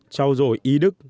trao dồi ý đức